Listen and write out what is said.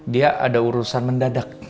dia ada urusan mendadak